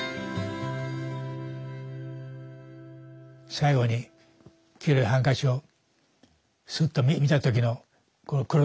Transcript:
最後に黄色いハンカチをスッと見た時のクローズアップね。